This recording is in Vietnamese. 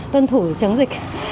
tân thủ chống dịch